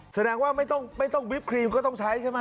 แสดงว่าไม่ต้องวิปครีมก็ต้องใช้ใช่ไหม